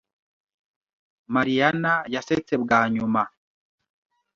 Mariyana yasetse bwa nyuma.